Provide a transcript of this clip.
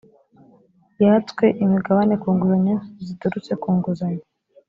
yatswe imigabane ku nguzanyo ziturutse ku nguzanyo